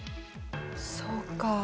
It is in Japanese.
そうかあ。